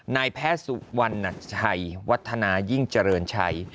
นายแพทย์สุวรรณชัยวัฒนายิ่งเจริญชัย